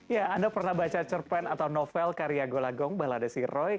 ya anda pernah baca cerpen atau novel karya golagong balade siroy